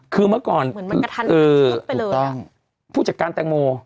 คือเมื่อก่อนผู้จัดการแต่งโม